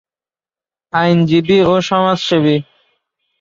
আইনজীবী ও সমাজসেবী